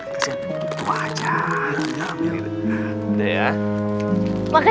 makasih ya pak